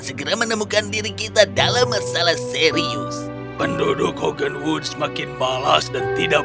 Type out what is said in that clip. segera menemukan diri kita dalam masalah serius penduduk hogan wood semakin malas dan tidak